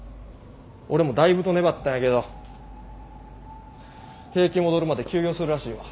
俺もだいぶと粘ったんやけど景気戻るまで休業するらしいわ。